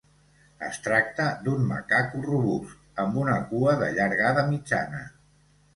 Es tracta d'un macaco robust, amb una cua de llargada mitjana.